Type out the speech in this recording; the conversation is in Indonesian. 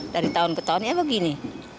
dari tahun ke tahun ya begini